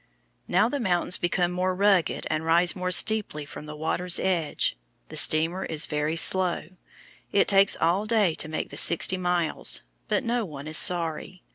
Now the mountains become more rugged and rise more steeply from the water's edge. The steamer is very slow; it takes all day to make the sixty miles, but no one is sorry.